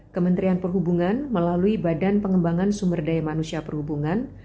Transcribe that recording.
kementerian perhubungan melalui badan pengembangan sumber daya manusia perhubungan